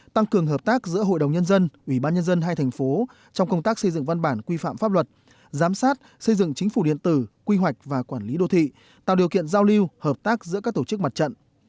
tăng cường hợp tác giữa hội đồng nhân dân ủy ban nhân dân hai thành phố trong công tác xây dựng văn bản quy phạm pháp luật giám sát xây dựng chính phủ điện tử quy hoạch và quản lý đô thị tạo điều kiện giao lưu hợp tác giữa các tổ chức mặt trận